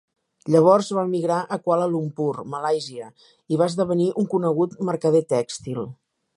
Llavors va emigrar a Kuala Lumpur, Malàisia i va esdevenir un conegut mercader tèxtil.